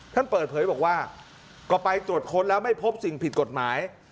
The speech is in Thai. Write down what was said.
ท่านเปิดเผยบอกว่าก็ไปตรวจค้นแล้วไม่พบสิ่งผิดกฎหมาย